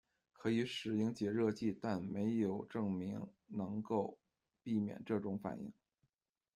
可以使用解热剂，但没有证明能够避免这种反应。